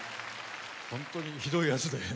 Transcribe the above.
本当にひどいやつだよね。